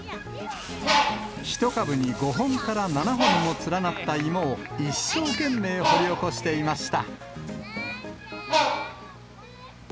１株に５本から７本も連なった芋を、一生懸命掘り起こしていました。